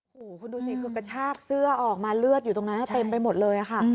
โอ้โหคุณดูสิคือกระชากเสื้อออกมาเลือดอยู่ตรงนั้นเต็มไปหมดเลยค่ะ